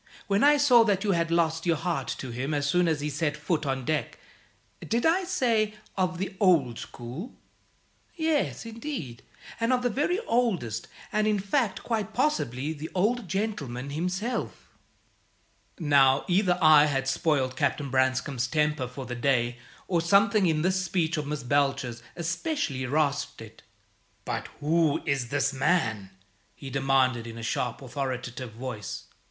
When I saw that you had lost your heart to him as soon as he set foot on deck! Did I say 'of the old school'? Yes, indeed, and of the very oldest; and, in fact, quite possibly the Old Gentleman himself." Now, either I had spoiled Captain Branscome's temper for the day, or something in this speech of Miss Belcher's especially rasped it. "But who is this man?" he demanded, in a sharp, authoritative voice.